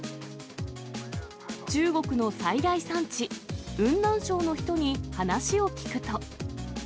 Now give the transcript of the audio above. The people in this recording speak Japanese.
中国の最大産地、雲南省の人に話を聞くと。